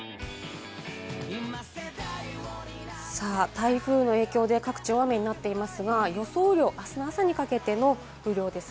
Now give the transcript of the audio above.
台風の影響で各地、大雨になっていますが、予想雨量、あすの朝にかけての雨量です。